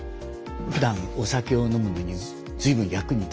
ふだんお酒を飲むのに随分役に立ちますよね。